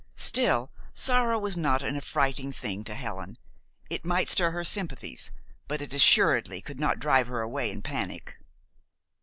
Still, sorrow was not an affrighting thing to Helen. It might stir her sympathies, but it assuredly could not drive her away in panic.